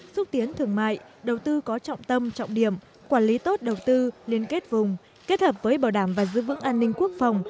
xúc tiến thương mại đầu tư có trọng tâm trọng điểm quản lý tốt đầu tư liên kết vùng kết hợp với bảo đảm và giữ vững an ninh quốc phòng